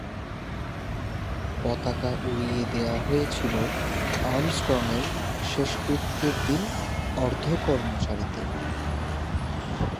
পতাকা উড়িয়ে দেওয়া হয়েছিল আর্মস্ট্রংয়ের শেষকৃত্যের দিন অর্ধ-কর্মচারীতে।